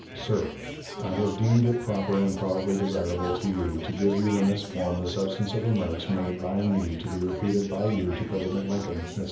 "SIR: I have deemed it proper and probably desirable to you to give you in this form the substance of remarks made by me to be repeated by you to President Lincoln, etc.